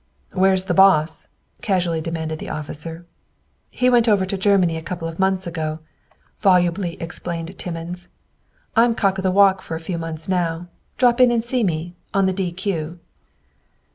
"Where's the boss?" casually demanded the officer. "He went over to Germany a couple of months ago," volubly explained Timmins. "I'm cock o' the walk for a few months now. Drop in and see me, on the d.